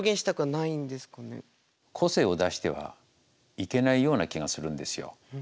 個性を出してはいけないような気がするんですよ。